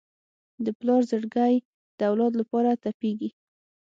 د پلار زړګی د اولاد لپاره تپېږي.